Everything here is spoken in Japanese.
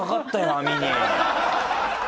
網に。